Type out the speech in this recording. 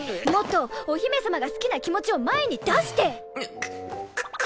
もっとお姫様が好きな気持ちを前に出して！